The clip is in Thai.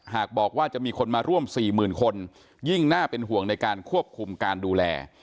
หากบอกว่าจะมีคนมาร่วม๔๐๐๐คนยิ่งน่าเป็นห่วงในการควบคุมการดูแล